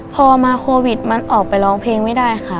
พอมาโควิดมันออกไปร้องเพลงไม่ได้ค่ะ